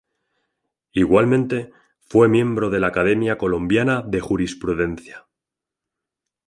Igualmente, fue miembro de la Academia Colombiana de Jurisprudencia.